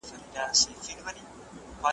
شوم نهر وه په خپل ځان پوري حیران وه